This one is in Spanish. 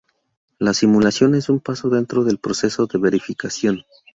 La simulación es un paso dentro del proceso de verificación.